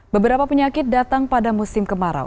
beberapa penyakit datang pada musim kemarau